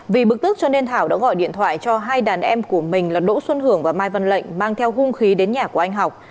vì bực tức cho nên thảo đã gọi điện thoại cho hai đàn em của mình là đỗ xuân hưởng và mai văn lệnh mang theo hung khí đến nhà của anh học